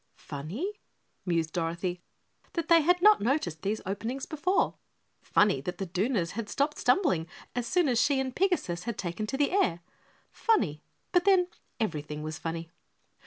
Funny, mused Dorothy, that they had not noticed these openings before. Funny that the Dooners had stopped stumbling as soon as she and Pigasus had taken to the air. Funny but then, everything was funny.